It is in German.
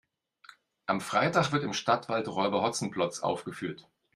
Am Freitag wird im Stadtwald Räuber Hotzenplotz aufgeführt.